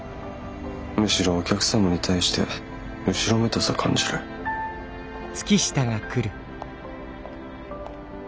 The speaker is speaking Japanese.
むしろお客様に対して後ろめたさを感じる。